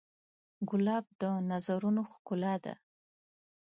ګلاب د نظرونو ښکلا ده.